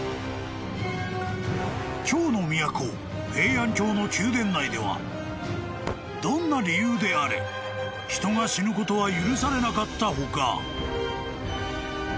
［京の都平安京の宮殿内ではどんな理由であれ人が死ぬことは許されなかったほか］